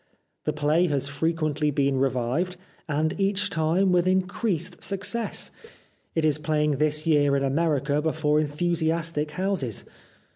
The play has frequently been revived^ and each time with increased suc cess. It is pla5dng this year in America before enthusiastic houses.